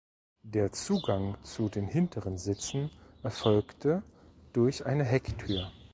Der Zugang zu den hinteren Sitzen erfolgte durch eine Hecktür.